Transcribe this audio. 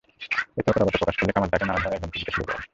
এতে অপারগতা প্রকাশ করলে কামাল তাঁকে নানা ধরনের হুমকি দিতে শুরু করেন।